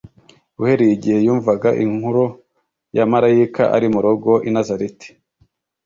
Uhereye igihe yumvaga inkuru ya Marayika ari mu rugo i Nazareti,